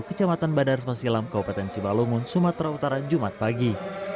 kecamatan badar semasilam kabupaten sibalungun sumatera utara jumat pagi